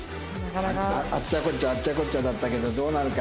あっちゃこっちゃあっちゃこっちゃだったけどどうなるか？